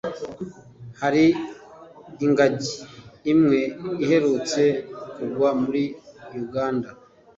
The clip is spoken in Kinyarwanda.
Hari ingagi imwe iherutse kugwa muri y’uganda